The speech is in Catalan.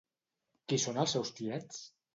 Qui són els seus tiets?